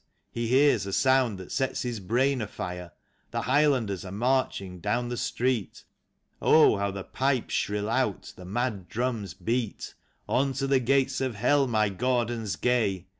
He hears a sound that sets his brain afire — The Highlanders are marching down the street. Oh, how the pipes shrill out, the mad drums beat !" On to the gates of Hell, my Gordons gay